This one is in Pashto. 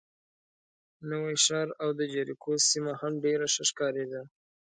نوی ښار او د جریکو سیمه هم ډېره ښه ښکارېده.